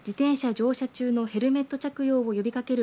乗車中のヘルメット着用を呼びかける